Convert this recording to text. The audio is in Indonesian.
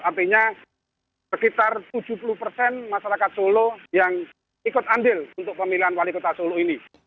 artinya sekitar tujuh puluh persen masyarakat solo yang ikut andil untuk pemilihan wali kota solo ini